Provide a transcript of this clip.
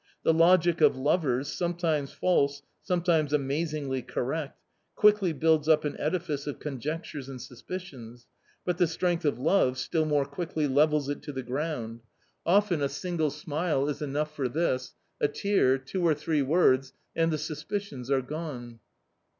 The logic of lovers, sometimes false, sometimes amazingly correct, quickly builds up an edifice of conjectures and suspicions, but the strength of love still more quickly levels it to the ground ; often a single 188 A COMMON STORY smile is enough for this, a tear, two or three words, and the suspicions are gone.